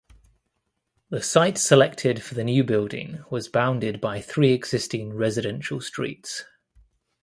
The site selected for the new building was bounded by three existing residential streets.